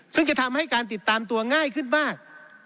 ซึ่งจะทำให้การติดตามตัวง่ายขึ้นมาก